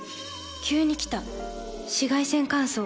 急に来た紫外線乾燥。